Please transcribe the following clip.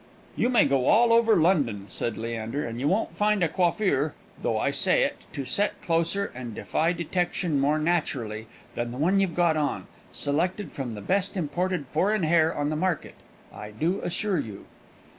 "You may go all over London," said Leander, "and you won't find a coiffure, though I say it, to set closer and defy detection more naturally than the one you've got on; selected from the best imported foreign hair in the market, I do assure you."